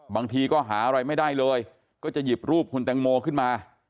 บางทีก็หาอะไรไม่ได้เลยก็จะหยิบรูปคุณแตงโมขึ้นมา